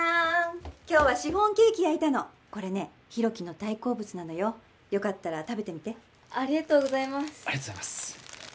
今日はシフォンケーキ焼いたのこれね広樹の大好物なのよよかったら食べてみてありがとうございますありがとうございます